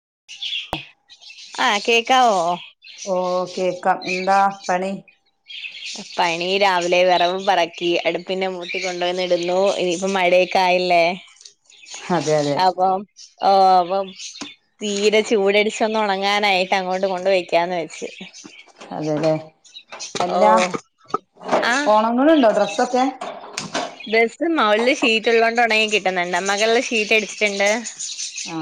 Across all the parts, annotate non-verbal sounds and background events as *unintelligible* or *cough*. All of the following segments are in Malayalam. *inaudible* കേക്കാവോ ഓ കേക്കാം എന്താ പണി പണി രാവിലെ വെറക് പെറക്കി അടുപ്പിന്റെ മൂട്ടി കൊണ്ടെന്നിടുന്നു ഇനിയിപ്പം മഴയൊക്കാ ആയില്ലേ അതെ അതെ അപ്പം ഓ അപ്പൊ തീരെ ചൂടെടിച്ചൊന്ന് ഒണങ്ങാനായിട്ട് അങ്ങോട്ട് കൊണ്ട് വയ്ക്കാന്ന് വച്ച് *unintelligible* അല്ലാ ആഹ് ഒണങ്ങ്ണ് ണ്ടോ ഡ്രസ്സൊക്കെ ഡ്രസ്സ് മോളിൽ ഷീറ്റ് ഉള്ളോണ്ട് ഒണങ്ങി കിട്ടുന്നുണ്ട് മൊകളല് ഷീറ്റടിച്ചിട്ടുണ്ട് ആ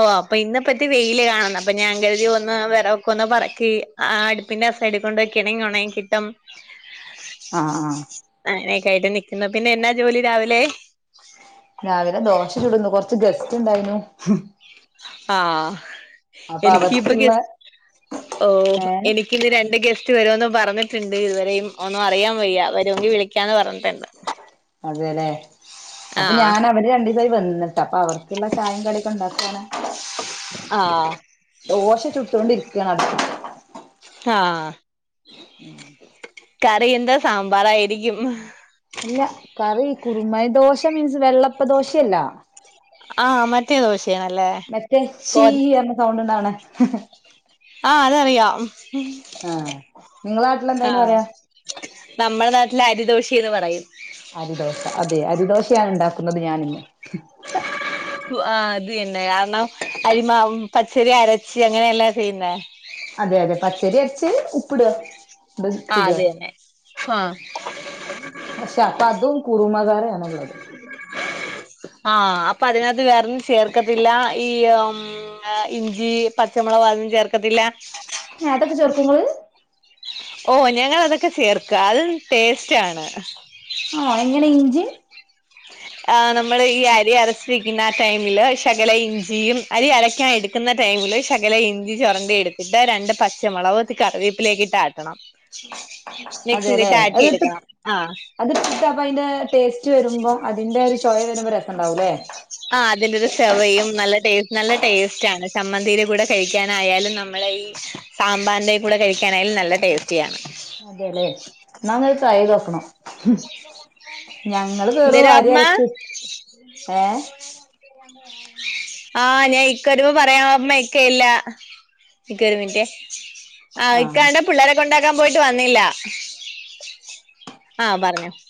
ഓ അപ്പൊ ഇന്ന് പറ്റി വെയില് കാണന്നപ്പൊ ഞാൻ കരുതി ഒന്ന് വെറൊകെക്കൊന്ന് പറക്കി ആ അടുപ്പിന്റെ സൈഡ് കൊണ്ടെക്കേണങ്കി ഒണങ്ങി കിട്ടും അ ആ യിട്ട് നിക്കുന്നു പിന്നെഎന്നാ ജോലി രാവിലെ രാവിലെ ദോശ ചുടുന്നു കൊറ്ച്ച് ഗസ്റ്റ്ണ്ടായിനു ആ എനിക്കിപ്പൊ അവർക്കുള്ള ഗസ്സ് ഓ ഏഹ് എനിക്കിന്ന് രണ്ട് ഗസ് റ്റ് വരോന്ന്പറഞ്ഞിട്ടുണ്ട് ഇതുവരേയും പോന്നൊ അറിയാംവെയ്യ വരോങ്കിൽ വിളിക്കാന്ന് പറഞ്ഞ് അതേല്ലേ അപ്പൊ ആഹ് ഞാൻ അവര് രണ്ടീസായി വന്നിട്ടപ്പൊ അവർക്ക്ള്ള ചായും കടിയൊക്കെണ്ടാക്കാണ് ആ ദോശ ചുട്ടോണ്ടിരിക്കാണ് അടുപ്പത്ത് ആ ഉം കറിയെന്താ സാമ്പാറായിരിക്കും അല്ല കറി കുറുമ ദോശ മീൻസ് വെള്ളപ്പ ദോശയല്ല ആഹ മറ്റേ ദോഷ മറ്റേ ച്ചി പറഞ്ഞ സൗണ്ട് ഇണ്ടവണ ആഹ അതറിയാം ആഹ് നിങ്ങളെ നാട്ടിലെന്താ അയിന് ആഹ പറയാ നമ്മള നാട്ട അല്ല അരിദോശന്ന് പറയും അരിദോശ അതെ അരിദോശയാണ് ഉണ്ടാക്കുന്നത് ഞാനിന്ന് ആഹ അതിന്നെ കാരണം അരിമാവും പച്ചരി അരച്ച് അങ്ങനെയെല്ലെ ചെയ്യുന്നേ അതെ അതെ പച്ചരി അരച്ച് ഉപ്പ്ട അത് ആഹ് ചുട തന്നെ ആഹ് പക്ഷേ അതും കുറുമ കറി അതെ ആഹ അപ്പൊ അതിനകത്ത് വേറൊന്നും ചേർക്കത്തില്ല ഈ മ് ഇഞ്ചി പച്ചമുളക് ഓ അതും ചേർക്കത്തില്ല അതൊക്കെ ചേർക്കോങ്ങള് ഓ ഞങ്ങളതൊക്കെ ചേർക്ക അതും ടേസ്റ്റ് ആണ് ആ എങ്ങനെ ഇഞ്ചി ആ നമ്മള് ഈ അരി അരച്ചിരിക്കുന്ന ആ ടൈമില് ശകല ഇഞ്ചിയും അരി അരക്കാൻ എടുക്കുന്ന തേങ്ങയില് ശകല ഇഞ്ചി ചൊരണ്ടി എടുത്തിട്ട് രണ്ട് പച്ചമുളവ് കറിവേപ്പിലേക്കിട്ടാട്ടണം അതെല്ലെ അത്ട്ട് അത്ട്ടിട്ട് അപ്പ അതിന്റെ ടേസ്റ്റ് വരുമ്പോ അതിന്റെ ഒരു ചോയ വരുമ്പോ രസം ഉണ്ടാവൂല്ലേ? ആ അതിന്റെ ഒരു ചെവയും നല്ലടെസ് നല്ല ടേസ്റ്റ് ആണ് ചമ്മന്തിയിന്റെ കൂടെ കഴിക്കാനായാലും നമ്മൾ ഈ സാമ്പാറിൻന്റെ കൂടെ കഴിക്കാനായാലും നല്ല ടെസ്റ്റിയാണ് അതെലെ നലത് ട്രൈയ്തോക്കണം ഞങ്ങള് എന്തേരും അമ്മ *unintelligible* ഏ *unintelligible* നിക്ക് ഒരു മിനിറ്റെ ആഹ ആഹ് ഇക്കണ്ട പിള്ളാര കൊണ്ടാക്കാൻ പോയിട്ട് വന്നില്ല ആഹ പറഞ്ഞോ *inaudible*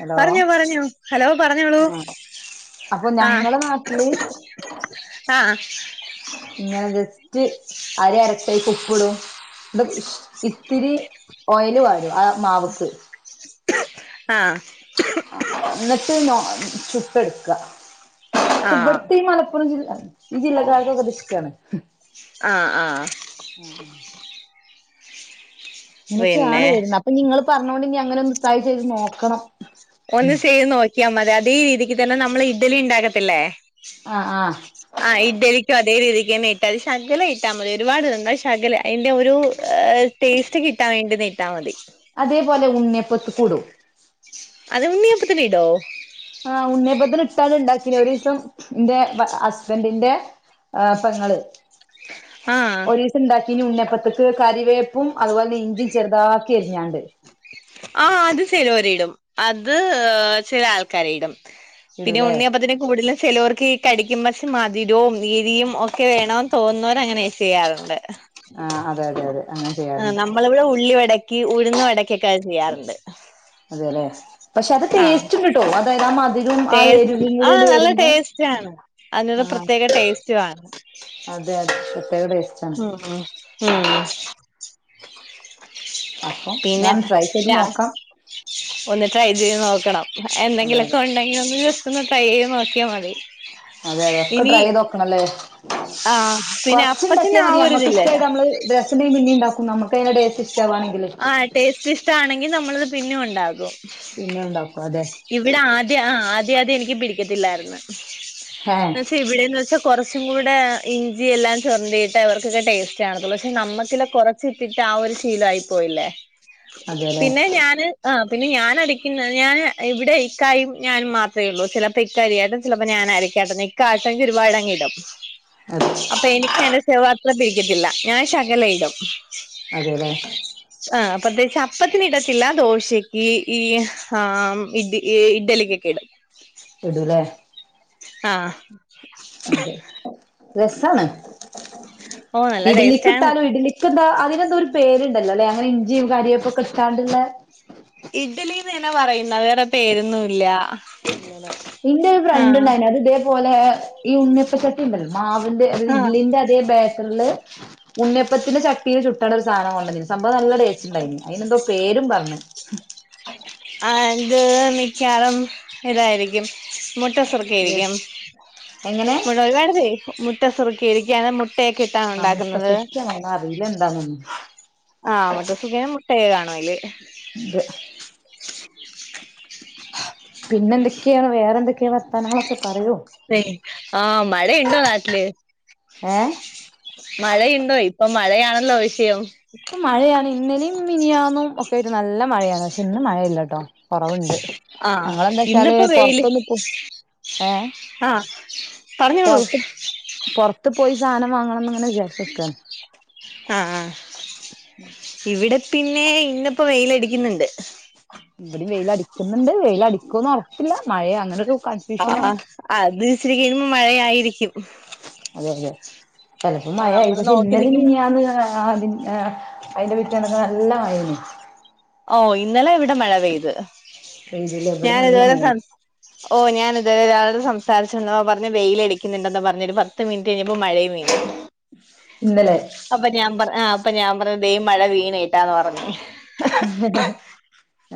ഹലോ പറഞ്ഞോ പറഞ്ഞോ ഹലോ പറഞ്ഞോളൂ ആഹ് അപ്പൊ ആ ഞങ്ങളെ നാട്ടില് ആആ ഇങ്ങനെ ജസ്റ്റ് അരി അരച്ചേക് ഉപ്പിടും *unintelligible* ഇത്തിരി ഓയിൽ വാരും ആ മാവ്ക്ക് ആ എടുക്ക പക്ഷെ ആഹ് ഇവിടുത്തെ ഈ മലപ്പുറം ജില്ല ഈ ജില്ലക്കാർക്കൊക്കെദിഷ്ട്ടാണ് ആഹ് ആഹ് അ അ ഇങ്ങനെക്കെയാണ് പിന്നെ വെര്ന്ന അപ്പ നിങ്ങള് പറഞ്ഞോണ്ട് നി അങ്ങനൊന്ന് ട്രൈ ചെയ്ത് നോക്ക ഒന്ന് ചെയ്ത് നോക്കിയാ മതി അതേ രീതിക്ക് തന്നെ നമ്മള് ഇഡ്ഡലി ണ്ടാക്കത്തില്ലേ ആഹ് ആഹ് ആ ഇഡലിക്കും അതേ *unintelligible* *inaudible* അത് ശകല ഇട്ടാ മതി ഒരുപാട് ഇടണ്ട ശകല അയിന്റെ ഒരു ടേസ്റ്റ് കിട്ടാൻ വേണ്ടി *inaudible* അതേപോലെ ഉണ്ണ്യപ്പത്തുക്കുടും അത് ഉണ്ണിയപ്പത്തിനിടോ ആ ഉണ്ണിയപ്പത്തിലിട്ടാല് ടേസ് പിന്നെ ഒരീസം ന്റെ അസ്ബൻഡിന്റെ ആ പെങ്ങള് ആ ഈ ഉണപ്പത്ത്ക്ക് കരിവേപ്പും അതുപോലന്നെ ഇഞ്ചിം ചെറുതാക്കി എരിഞ്ഞാണ്ട് ആ അത് ചിലോരിടും അത് ചില ആൾക്കാരിടും പിന്നെ ഇടൂലേ ഉണ്ണിയപ്പത്തിന്റെ *unintelligible* ചെലോർക്കി കടിക്കുമ്മ ശ്ശി മധുരോം ഇരീം ഒക്കെ വേണോന്ന് തോന്നുന്നോരാണേ ചെയ്യാറുണ്ട് ആഹ് അതെ അതെ അതെ അങ്ങനെ ചെയ്യാറുണ്ട് നമ്മളിവിടെ ഉള്ളിവടക്ക് ഉഴ്ന്ന് വടക്ക് ചെയ്യാറണ്ട് അതെല്ലെ പക്ഷെ അത് ടേസ്റ്റ് കിട്ടോ അതാ *unintelligible* ടേ ആ നല്ല ടേസ്റ്റാണ് *unintelligible* ആഹ് പ്രത്യേക ടേസ്റ്റുവാണ് അതെ അതെ പ്രത്യേക ടേസ്റ്റ് ആണ് ഉം ഉം അപ്പം പിന്നെ ഞാൻ ട്രൈ ചെയ്ത് *unintelligible* നോക്കാം ഒന്ന് ട്രൈ ചെയ്ത് നോക്കണം അതെ എന്തെങ്കിലൊക്കെ അതെ നീ ഒന്ന് ജെസ്റ്റ് ഒന്ന് ട്രൈ എയ്ത് നോക്കിയ മതി അതെ അതെ ഒക്കെ ഇനി ട്രൈ ചെയ്ത് നോക്കണല്ലേ ആഹ് പിന്നെ കൊറച്ച് അപ്പത്തിന് ഇണ്ടാക്കിയാ ആ മതി അമ്മക്ക് ഇഷ്ടയിട്ട് ഒരിതില്ലല്ലോ നമ്മള് രസണ്ടങ്കി പിന്നെ ഇ ണ്ടാക്കും നമുക്ക് അയ്ന്റെ ടേസ്റ്റ് ഇഷ്ടവാണെങ്കില് ആ ടേസ്റ്റ് ഇഷ്ടാണെങ്കിൽ നമ്മളത് പിന്നെ ഒണ്ടാക്കും പിന്നെ ഉണ്ടാക്കും അതെ ഇവിടെ ആദ്യ ആദ്യ ആദ്യാദ്യം എനിക്ക് പിടിക്കത്തില്ലാര്ന്ന് ഏഹ് എന്നച്ച ഇവിടെന്ന് വെച്ചാ കൊറ കുറച്ചും കൂടെ ഇഞ്ചി എല്ലാം ചൊരണ്ടീട്ടെ അവർക്കൊക്കെ ടേസ്റ്റ് കാണത്തുള്ളൂ പക്ഷെ നമ്മക്ക്ല്ല കൊറച്ച് ഇട്ടിട്ട് ശീലവായി പോയില്ലേ അതെല്ലേ പിന്നെ ഞാന് പിന്നെ ഞാന് അരക്കുന്നത് ഞാൻ ഇവിടെ ഇക്കായും ഞാനും മാത്രെ ഉള്ളൂ ചെലപ്പോൾ ഇക്കരിയാട്ടും ചെലപ്പോൾ ഞാനരക് *unintelligible* ഇക്കാട്ടെങ്കി ഒരുപാടങ്ങിടും അതെ അപ്പൊ എനിക്ക് അയ്ന്റെ സെവ അത്ര പിടിക്കത്തില്ല ഞാൻ ശകലയിടും അതെല്ലെ ആ *unintelligible* അപ്പത്തിന് ഇടത്തില്ല ഇടത്തില്ല ദോശക്ക് ഈ ആ ഇഡ് ഇഡ്ഡലിക്കെക്കെ ഇടും ഇടും ല്ലേ ആ അതെ രസാണ് ഓ നല്ല ഇഡ്ലിക്ക് ടേസ്റ്റ് ആണ് ഇട്ടാലും ഇഡ്ക്ക് ത്ര അതിന് എന്തോരു പേരുണ്ടല്ലോ അല്ലെ അങ്ങനെ ഇഞ്ചിയും കരിയാപ്പും ഇട്ടാണ്ട്ള്ള ഇഡലിന്ന് തന്നാ പറയുന്നെ വേറെ പേരൊന്നും ഇല്ല ഇല്ലല്ലേ ന്റെ ഒരു ഫ്രണ്ട് ഉണ്ടായിന് അത് ഇതേപോലെ ഈ ഉണ്ണിപ്പച്ചട്ടി ഉണ്ടല്ലോ മാവ *unintelligible* ആഹ് ഇഡ്ലീന്റെ അതേ ബേറ്ററ്ല് ഉണ്ണയപ്പത്തിന്റെ ചട്ടീല് കിട്ടണ് ഒരു സാധനം കൊണ്ടന്നീന്നു സംഭവം നല്ല ടേസ്റ്റ്ണ്ടായിനി അതിന്എന്തോ പേരും പറഞ്ഞ് ആ ഇത് മിക്കാറും ഇതായിരിക്കും മുട്ട ഏത് സുറുക്കയിരിക്കും എങ്ങനെ മുട്ട ഒരുപാട് മുട്ട സുറുക്കരിക്ക അങ്ങനെ മു ആ മുട്ട സുർക്ക ആണോ അറീല എന്താനൊ ന്നും ആമുട്ട സുഖന മുട്ടയ കാണും അയില് ഇത് പിന്നെ എന്തൊക്കെയാണ് വേറെന്തൊക്കെയാ വർത്താനങ്ങളൊക്കെ പറയൂ ഹേയ് ആ മഴ ഇണ്ടോ നാട്ടില് ഏ മഴയുണ്ടോ ഇപ്പൊ മഴയാണല്ലോ വിഷയം ഇപ്പ മഴയാണ് ഇന്നലിം മിനിയാന്നും ഒക്കെ ഒരു നല്ല മഴയാണ് പക്ഷെ ഇന്ന് മഴയില്ലട്ടോ കൊറവുണ്ട് ആ ഞങ്ങളെന്താ വെച്ചാല് ഇന്നിപ്പോ വെയില് പൊറത്തൊന്ന് പോ ഏ ആ പറഞ്ഞോളൂ ത്ത് പോയി സാധനം വാങ്ങണംഎന്ന് ഇ ങ്ങനെ വിചാരിച്ച്ക്കാ ആ ഇവിടെ പിന്നെ ഇന്നപ്പോ വെയിലടിക്കുന്നുണ്ട് ഇവിടും വെയിൽഅടിക്കുന്നുണ്ട് വെയിൽ അടിക്കോന്ന് ഉറപ്പില്ല മഴ അങ്ങനെയൊര് ആ അത്ഇ ച്ചരി കഴിയുമ്പോ മഴായാ യിരിക്കും അതെ അതെ ചെലപ്പോ മഴായി പക്ഷെ നോക്കി ഇന്നലിം നിക്കുമ്പോ മിനിഞ്ഞാന്നും അഅതിന്റെ അയിന്റെ പിറ്റേന്നൊക്കെ നല്ല മഴയാ യേനി ഓ ഇന്നലെ ഇവിടെ മഴ പെയ്ത് പെയ്തൂലേ ഇവിടെ ഞാനത് നല്ല വരെ മഴ സംസാഓ ഞാനത് അ ഒരാള സംസാരിച്ച് നിന്നപ്പോ പറഞ്ഞ് വെയിൽഅടിക്കുന്നുണ്ടെന്നോ പറഞ്ഞ ഒരു പത്ത് മിനിറ്റ് കഴിഞ്ഞപ്പോൾ മഴയും പെയ്തു ഇന്നലെ അപ്പോ ഞാൻ പറഞ്ഞ് ദേ മഴ വീണേട്ടാന്ന് പറഞ്ഞ് *inaudible*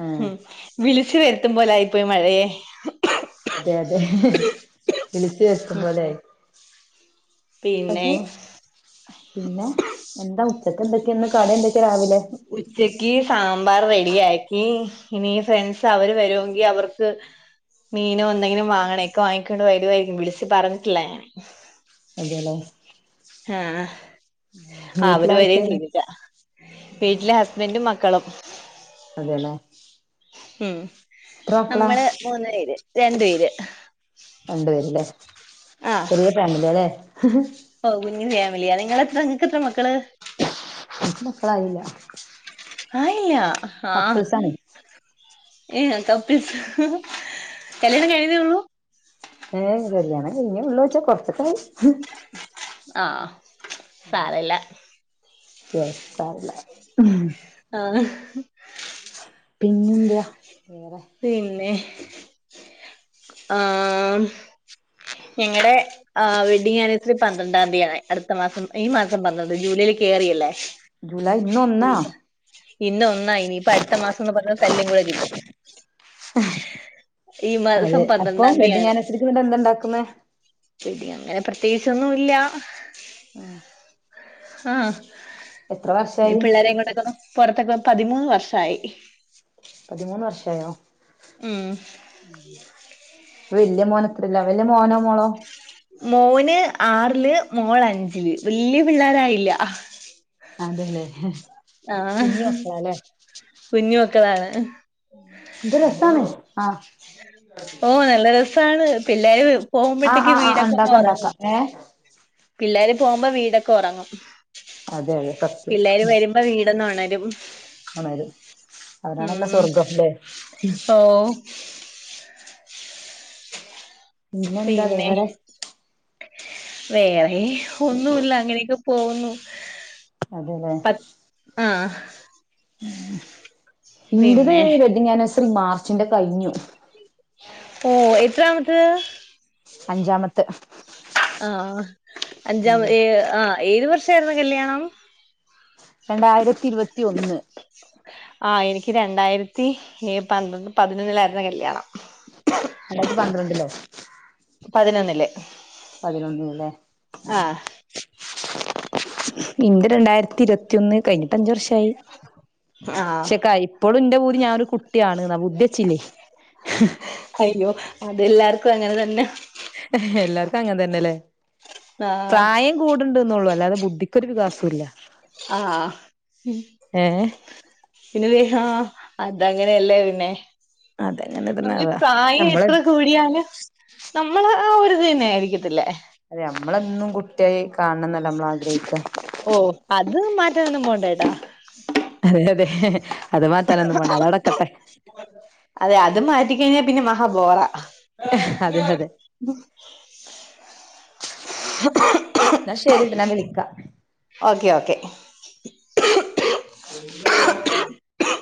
ആ ഉം വിളിച്ചു വരുത്തുമ്പോലായി പോയി മഴയെ അതെ വിളിച്ചു വരുത്തും ഉം പോലായി ഉം പിന്നെ അത് പിന്നെ എന്താ ഉച്ചക്ക് എന്തൊക്കെയ ഇന്ന് കടി എന്തൊക്ക ഉച്ചക്ക് സാമ്പ സമ്പാർ റെഡിയാക്കി ഇനി ഫ്രണ്ട്സ് അവർ വരുമെങ്കിൽ അവർക്ക് മീനോ എന്തെങ്കിലും വാങ്ങണെ ഒക്കെ വാങ്ങിക്കൊണ്ട് വരുവായിരിക്കും വിളിച്ച് പറഞ്ഞിട്ടില്ല ഞാൻ അതെയലേ ആ അവര് വരെയും വീട്ടിലാരൊക്കെയാണ് ചെയ്തില്ല വീട്ടിലെ ഹസ്ബന്റും മക്ക ക്കളം അതെയല്ലേ ഉം അമ്മൾ മൂന്ന് പേര് രണ്ട് പേര് രണ്ട് പേര്ലേ ആഹ് ചെറിയ ഫാമിലി ആലേ *unintelligible* ഫാമിലിയാ നിങ്ങളെത്ര നിങ്ങക്ക് എത്ര മക്കള് ൻക് മക്കളായില്ല ആയില്ല ഹാ കപ്പിൾസാണ് ഏ *unintelligible* കല്യാണം കഴിഞ്ഞതെയുള്ളു ഏ കല്യാണം കഴിഞ്ഞെയുള്ളുച്ചാ കൊറച്ചൊക്കായി ആ സാരല്ല *unintelligible* ഉം ആ പിന്നെന്താ വേറെ പിന്നെ ആ നിങ്ങടെ ആ വെഡിംഗ് ആനിവേഴ്സറി പന്ത്രണ്ടാം തീയന്തിയാ അടുത്ത മാസം ഈ മാസം പന്ത്രണ്ട് ജൂലൈയിൽ കയറിയില്ലേ ജൂലൈ ഇന്നൊന്നാ ആ ഇനിയിപ്പം അടുത്ത മാസംന്ന് പറഞ്ഞ തല്ല്കൂടെ കിട്ടും ഈ മാസ അപ്പോ വെഡ്ഡിംഗ് ആനിവേഴ്സറിക്ക് എന്തണ്ടാക്കുന്നെ എടി അങ്ങനെ പ്രത്യേകിച്ചൊന്നുല്ല ആ എത്ര വർഷായി പിള്ളേരെ കൊണ്ടക്കൊന്ന് പൊർത്തൊക്കെ പതിമൂന്ന് വർഷായി ആയോ ഉം വല്യ മോന് എത്രല്ല വല്യ മോനോ മോളോ മോന് ആറിൽ മോള് അഞ്ചിൽ വല്യ പിള്ളേരായില്ല അതെല്ലേ ആ കുഞ്ഞു മക്കളാല്ലേ കുഞ്ഞുമക്കളാണ് ഇത് രസാണ് ആ ഓ നല്ല രസാണ് പിള്ളേരും ആഹ് പോകുമ്പോഴത്തേക്ക് ആഹ് ആഹ് വീടക്കൊന്ന് ഉണ്ടാക്കാം ഒറങ്ങും ഉണ്ടാക്കാം ഏഹ് പിള്ളേർ പോകുമ്പോ വീടൊക്കെ ഒറങ്ങും അതെ അതെ സത്യം പിള്ളേര് വരുമ്പോ വീടൊന്ന് ഒണ ഒണരും അവരാണല്ലോ ഉം സ്വർഗം ല്ലേ ഓ പിന്നെന്താ പിന്നെ വേറെ വേറെ ഒന്നുല്ല അങ്ങനെയൊക്കെ പോകുന്നു അതെല്ലേ പ ആഹ് ഉം ഇന്റത് പിന്നെ വെഡിംഗ് ആനിവേഴ്സറി മാർച്ചിന്റെ കഴിഞ്ഞു ഓ എത്രാമത്ത് അഞ്ചാമത്ത് ആ അഞ്ചാം എന്താ ഏ ആ ഏത് വർഷായിരുന്ന് കല്യാണം രണ്ടായിരത്തി ഇരുപത്തി ഒന്ന് ആഹ് എനിക്ക് രണ്ടായിരത്തി ഏ പന്ത്ര പതിനൊന്നിലായിരുന്ന് കല്യാണം രണ്ടായിര്ത്തി പന്ത്രണ്ടിലോ? പതിനൊന്നില് പതിനൊന്നില്ലേ ആഹ് ഇന്റെ രണ്ടായിരത്തി ഇരുപത്തി ന്ന് കഴിഞ്ഞിട്ട് അഞ്ചു വർഷായി ആഹ് ക്ഷെ ഇപ്പോഴും ന്റെ പൂതി ഞാനൊരു കു കാണ് ന ബുദ്ധിച്ചില്ലേ ഹ് ഹ് അയ്യോ അതെല്ലാർക്കും അങ്ങനെ തന്നെ ഹ ഹ് ഹ് എല്ലാർക്കും അങ്ങൻ തന്നെല്ലേ ആഹ് പ്രായം കൂടുണ്ട്ന്ന്ളളു അല്ലാതെ ബുദ്ധിക്കരു വികാസവും ഇല്ല ആ ഹ് ഏഹ് പിന്നേ ഹാ അതങ്ങനെയല്ലേ പിന്നെ അതങ്ങനെ നമ്മക്ക് തന്നാവാ പ്രായം നമ്മള് എത്ര കൂടിയാലും നമ്മള് ആ ഒരുതുന്നായിരിക്കത്തില്ലേ അതെ നമ്മളന്നും കുട്ടിയായി കാണണം എന്നല്ല നമ്മളാഗ്രഹിക്ക ഓ അത് മാറ്റംന്നും പോണ്ടട്ടാ അതെ അതെ ഹ് ഹ് അത് മാറ്റാനൊന്നും പോണ്ട അതടക്കട്ടെ ക കഴിഞ്ഞാ പിന്നെ മഹാബോറ അതെ അതെ ഉ ഹ് ന്നാ ശരിട്ടാ ഞാവിളിക്കാ ഓക്കെ ഓക്കെ *inaudible*